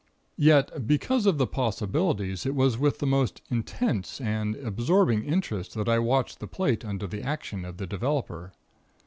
"Yet, because of the possibilities, it was with the most intense and absorbing interest that I watched the plate under the action of the developer.